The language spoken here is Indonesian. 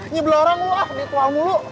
nyebel orang wah ritual mulu